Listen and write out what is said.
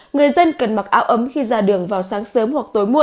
người dân cần mặc áo ấm khi ra đường vào sáng sớm hoặc tối muộn